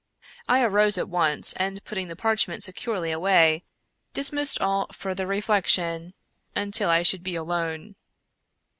I arose at once, and putting the parchment se curely away, dismissed all further reflection until I should be alone.